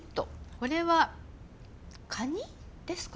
これはカニですか？